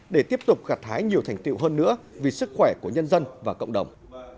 để tiếp tục gạt hái nhiều thành tiệu hơn nữa vì sức khỏe của nhân dân và cộng đồng